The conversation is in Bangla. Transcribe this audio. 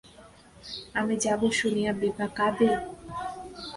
আমি যাব শুনিয়া বিভা কাঁদে!